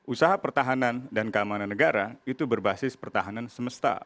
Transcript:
usaha pertahanan dan keamanan negara itu berbasis pertahanan semesta